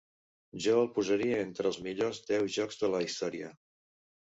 Jo el posaria entre els millors deu jocs de la història.